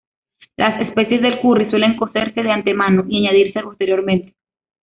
Las especias del "curry" suelen cocerse de antemano y añadirse posteriormente.